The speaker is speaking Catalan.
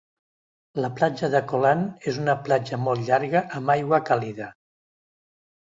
La platja de Colan és una platja molt llarga amb aigua càlida.